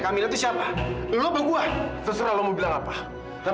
sampai jumpa di video selanjutnya